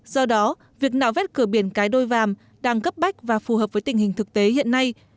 do đó việc nạo vét cửa biển cái đôi vàm đang cấp bách và phù hợp với tình hình thực tế hiện nay